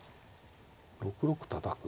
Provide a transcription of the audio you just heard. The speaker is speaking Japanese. ６六たたく？